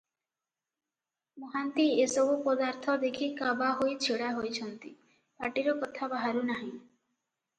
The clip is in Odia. ମହାନ୍ତି ଏ ସବୁ ପଦାର୍ଥ ଦେଖି କାବା ହୋଇ ଛିଡ଼ା ହୋଇଛନ୍ତି, ପାଟିରୁ କଥା ବାହାରୁ ନାହିଁ ।